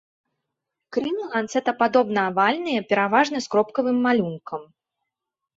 Крылы ланцэтападобна-авальныя, пераважна з кропкавым малюнкам.